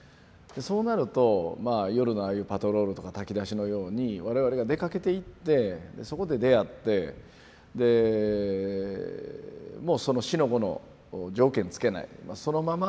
そうなると夜のああいうパトロールとか炊き出しのように我々が出かけていってそこで出会ってでもう四の五の条件つけないそのまま抱き留める。